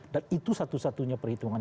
dan itu satu satunya perhitungan